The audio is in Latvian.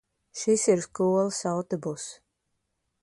Šis ir skolas autobuss.